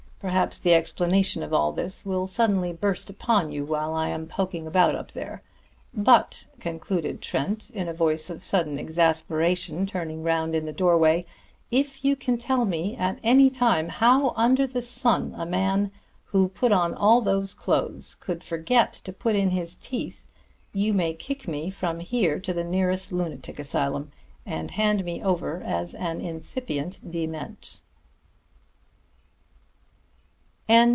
Perhaps the explanation of all this will suddenly burst upon you while I am poking about up there. But," concluded Trent in a voice of sudden exasperation, turning round in the doorway, "if you can tell me at any time how under the sun a man who put on all those clothes could forget to put in his teeth, you may kick me from here to the nearest lunatic asylum, and hand me over as an incipient dement."